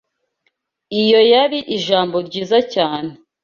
Iyo yari ijambo ryiza cyane.